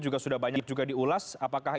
juga sudah banyak juga diulas apakah